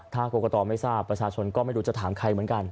ถ้ากรกตไม่ทราบประชาชนก็ไม่รู้จะถามใครเหมือนกัน